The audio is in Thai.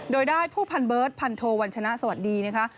โดยได้ผู้พันเบิร์ตพันโทวัญชนะสวัสดีนะคะ